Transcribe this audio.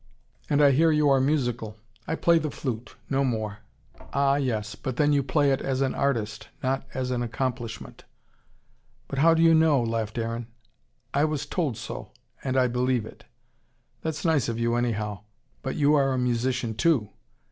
"And I hear you are musical." "I play the flute no more." "Ah, yes but then you play it as an artist, not as an accomplishment." "But how do you know?" laughed Aaron. "I was told so and I believe it." "That's nice of you, anyhow But you are a musician too."